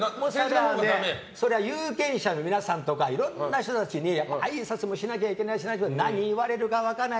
それは、有権者の皆さんとかいろんな人たちにあいさつもしなきゃいけないし何言われるか分からない。